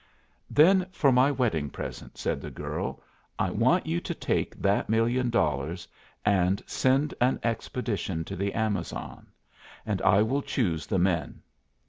"Then for my wedding present," said the girl, "I want you to take that million dollars and send an expedition to the Amazon. And I will choose the men.